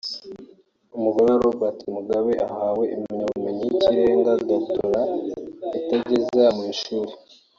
umugore wa Perezida Robert Mugabe ahawe impamyabumenyi y’ikirenga (Doctorat) atageze mu ishuri